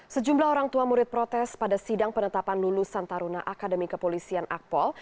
sejumlah orang tua murid protes pada sidang penetapan lulusan taruna akademi kepolisian akpol